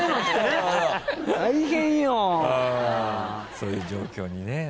そういう状況にね。